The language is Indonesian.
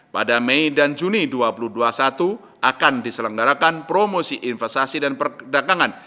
pada mei dan juni dua ribu dua puluh satu akan diselenggarakan promosi investasi dan perdagangan